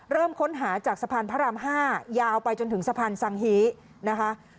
เริ่มค้นหาจากสะพานพระราม๕ยาวไปจนถึงสะพานสังฮีนะคะ